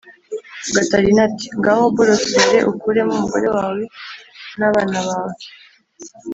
, gatarina ati: "Ngaho borosore ukuremo umugore wawe n' abana bawe